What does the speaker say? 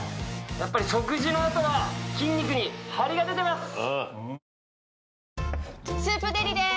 やっぱり食事の後は筋肉にハリが出てます。